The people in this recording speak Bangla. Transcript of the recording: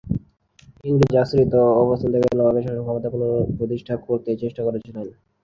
ইংরেজ আশ্রিত অবস্থান থেকে নবাবের শাসনক্ষমতা পুনঃপ্রতিষ্ঠা করতে চেষ্টা করেছিলেন।